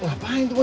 ngapain tuh bos